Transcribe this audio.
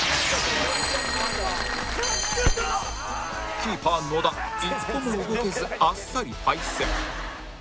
キーパー野田一歩も動けずあっさり敗戦